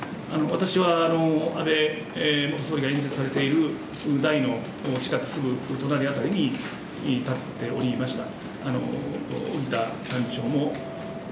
私は安倍元総理が演説されている台の近くすぐ隣辺りに立っておりました。